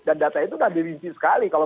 dan data itu sudah dilinci sekali kalau